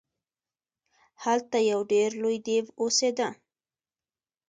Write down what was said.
هلته یو ډیر لوی دیو اوسیده.